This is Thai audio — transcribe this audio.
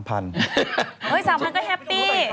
๓๐๐ก็แฮปปี้